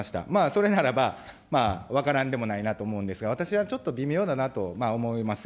それならば分からんでもないなと思うんですが、私はちょっと、微妙だなと思います。